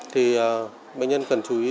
thì bệnh nhân cần chú ý